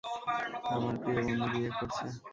আমার প্রিয় বন্ধু বিয়ে করছে।